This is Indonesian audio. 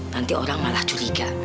nanti orang malah curiga